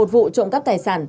một vụ trộm cắp tài sản